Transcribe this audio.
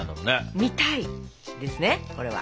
「見たい」ですねこれは。